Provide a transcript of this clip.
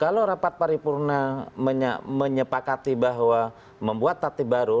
kalau rapat paripurna menyepakati bahwa membuat tatib baru